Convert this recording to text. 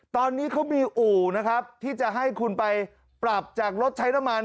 ตอนนี้เขามีอู่นะครับที่จะให้คุณไปปรับจากรถใช้น้ำมัน